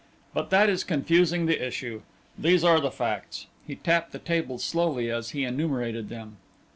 But that is confusing the issue. These are the facts." He tapped the table slowly as he enumerated them.